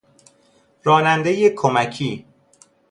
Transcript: رانندهی کمکی